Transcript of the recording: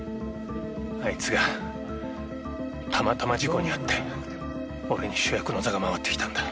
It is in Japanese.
あいつがたまたま事故にあって俺に主役の座が回ってきたんだ。